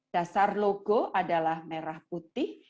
dasar logo adalah merah putih